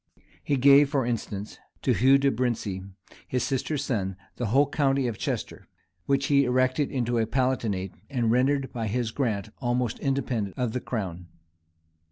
He gave, for instance, to Hugh de Abrincis, his sister's son, the whole county of Chester, which he erected into a palatinate, and rendered by his grant almost independent of the crown.